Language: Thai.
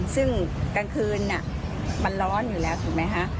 ซึ่งกลางคืนมันร้อนอยู่แล้วถูกไหมคะ